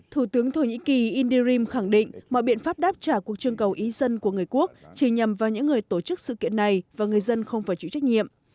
thủ tướng thổ nhĩ kỳ indirim khẳng định mọi biện pháp đáp trả cuộc trưng cầu ý dân của người quốc chỉ nhằm vào những người tổ chức sự kiện này và người dân không phải chịu trách nhiệm